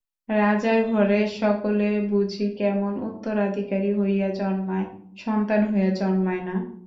রাজার ঘরে সকলে বুঝি কেবল উত্তরাধিকারী হইয়া জন্মায়, সন্তান হইয়া জন্মায় না।